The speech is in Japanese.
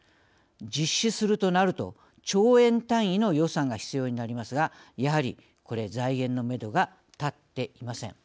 実施するとなると兆円単位の予算が必要になりますがやはりこれ財源のめどが立っていません。